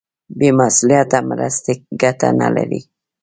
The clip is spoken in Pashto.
بې مسولیته مرستې ګټه نه لري.